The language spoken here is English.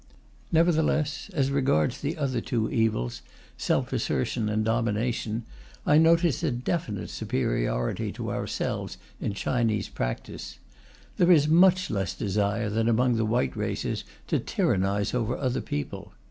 Nevertheless, as regards the other two evils, self assertion and domination, I notice a definite superiority to ourselves in Chinese practice. There is much less desire than among the white races to tyrannize over other people.